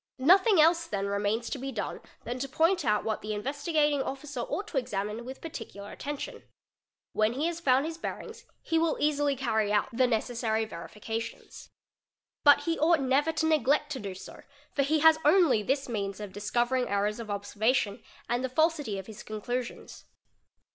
Nothing else then remains to be done than _ to point out what the Investigating Officer ought to examine with parti cular attention. When he has found his bearings he will easily carry out the necessary verifications. But he ought never to neglect to do so, for he has only this means of discovering errors of observation and the fal sity of his conclusions.